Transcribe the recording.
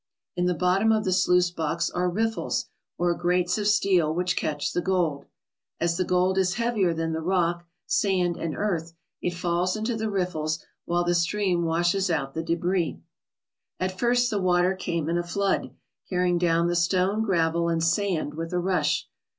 In the bottom of the sluice box are riffles or grates of steel which catch the gold. As the gold is heavier than the rock, sand, and earth, it falls into the riffles while the stream washes out the debris. At first the water came in a flood, carrying down the stone, gravel, and sand with a rush.